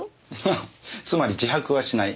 ハッつまり自白はしない。